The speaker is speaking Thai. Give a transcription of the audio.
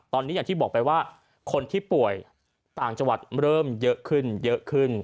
ตอนนี้อย่างที่บอกไปว่าคนที่ป่วยต่างจังหวัดเริ่มเยอะขึ้นเยอะขึ้น